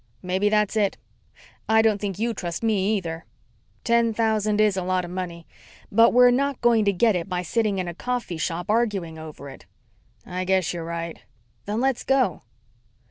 "Maybe that's it. I don't think you trust me, either." "Ten thousand is a lot of money. But we're not going to get it by sitting in a coffee shop arguing over it." "I guess you're right." "Then let's go."